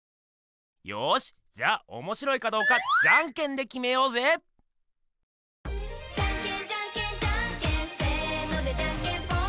よしじゃあおもしろいかどうかじゃんけんできめようぜ「じゃんけん・じゃんけん・じゃんけんせーのでじゃんけんぽん！」